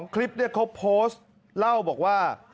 เขาโพสต์เล่าบอกว่า